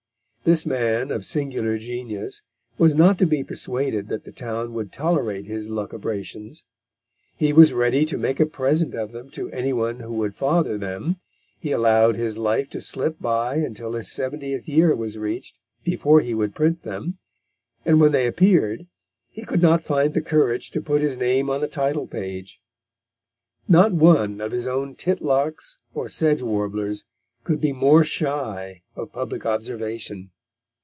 This man of singular genius was not to be persuaded that the town would tolerate his lucubrations. He was ready to make a present of them to any one who would father them, he allowed his life to slip by until his seventieth year was reached, before he would print them, and when they appeared, he could not find the courage to put his name on the title page. Not one of his own titlarks or sedge warblers could be more shy of public observation.